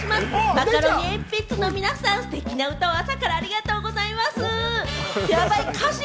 マカロニえんぴつの皆さん、ステキな歌を朝からありがとうございます。